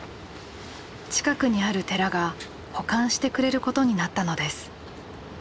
近くにある寺が保管してくれることになったのです。